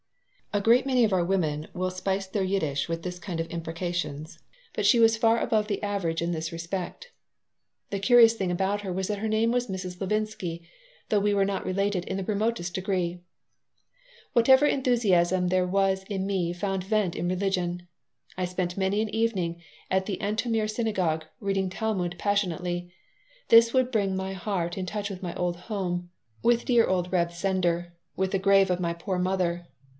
A great many of our women will spice their Yiddish with this kind of imprecations, but she was far above the average in this respect The curious thing about her was that her name was Mrs. Levinsky, though we were not related in the remotest degree Whatever enthusiasm there was in me found vent in religion. I spent many an evening at the Antomir Synagogue, reading Talmud passionately. This would bring my heart in touch with my old home, with dear old Reb Sender, with the grave of my poor mother.